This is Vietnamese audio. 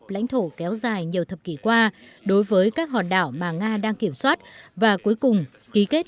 lãnh thổ kéo dài nhiều thập kỷ qua đối với các hòn đảo mà nga đang kiểm soát và cuối cùng ký kết